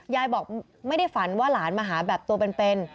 ยายบอกไม่ได้ฝันว่าหลานมาหาแบบตัวเป็น